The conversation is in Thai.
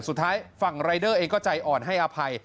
สุดท้ายฝั่งรายเดอร์เองก็ใจอ่อนให้อภัย